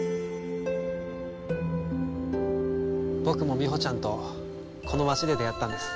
僕もみほちゃんとこの街で出会ったんです。